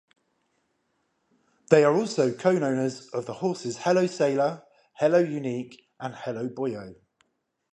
They are also co-owners of the horses Hello Sailor, Hello Unique and Hello Boyo.